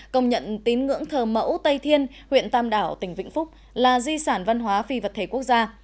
công nhận tín ngưỡng thờ mẫu tây thiên huyện tam đảo tỉnh vĩnh phúc là di sản văn hóa phi vật thể quốc gia